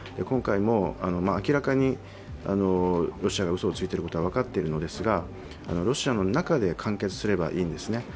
今回も明らかにロシアがうそをついていることは分かっているのですが、ロシアの中で完結すればいいんですね。